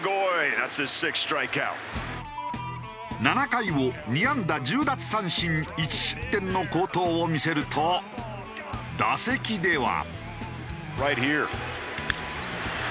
７回を２安打１０奪三振１失点の好投を見せると打席では。